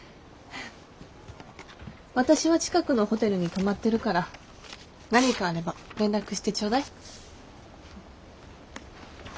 私は近くのホテルに泊まってるから何かあれば連絡してちょうだい。